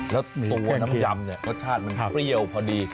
แล้วตรงกว่าน้ำยำรสชาติมันเปรี้ยวพอดี